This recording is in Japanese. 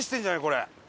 これ。